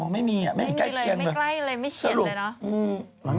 อ๋อไม่มีอ่ะแม่งใกล้เคียงไม่มีเลยไม่ใกล้เลยไม่เฉียนเลยเนอะ